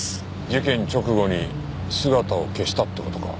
事件直後に姿を消したって事か。